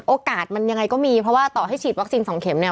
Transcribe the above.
โอกาสมันยังไงก็มีเพราะว่าต่อให้ฉีดวัคซีนสองเข็มเนี่ย